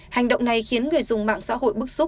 hành động này khiến người dùng mạng xã hội bức xúc